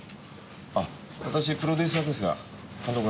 あっ私プロデューサーですが監督が何か？